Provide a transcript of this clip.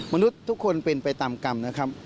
มนุษย์ทุกคนเป็นไปตามกรรมนะครับ